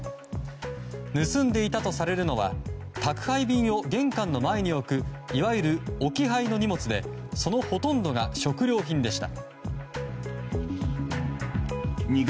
盗んでいたとされるのは宅配便を玄関の前に置くいわゆる置き配の荷物でそのほとんどが食料品でした。